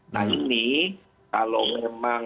nah ini kalau memang nah ini kalau memang